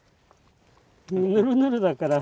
ぬるぬるだから。